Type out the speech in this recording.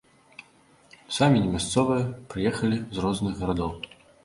Самі не мясцовыя, прыехалі з розных гарадоў.